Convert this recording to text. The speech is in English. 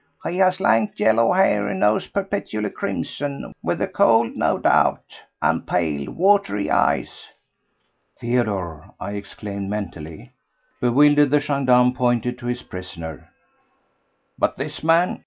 He has lank, yellow hair, a nose perpetually crimson—with the cold no doubt—and pale, watery eyes. ..." "Theodore," I exclaimed mentally. Bewildered, the gendarme pointed to his prisoner. "But this man ...